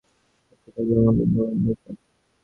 সাক্ষী থাকবার মতো লোকের দরকার।